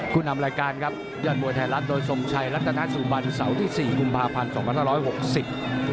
คุณนำรายการครับยาลมวยไทยรัฐโดยสมชัยรัฐนาสุบัติเสาร์ที่๔กุมภาพันธ์๒๖๖๐